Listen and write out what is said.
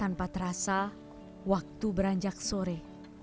tanpa terasa waktu beranjak sore